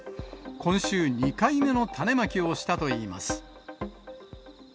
今週、２回目の種まきをしたといいます。